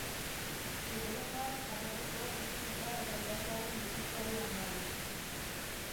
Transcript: Zuberotar jatorriko jesuita eta idazlearen bizitza du oinarri.